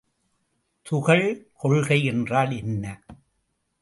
துகள் கொள்கை என்றால் என்ன?